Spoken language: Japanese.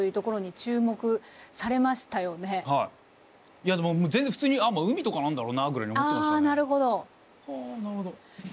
いやでも全然普通に「あっもう海とかなんだろうな」ぐらいに思ってましたね。